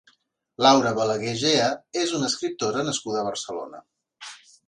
Laura Balagué Gea és una escriptora nascuda a Barcelona.